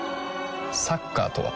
サッカーとは？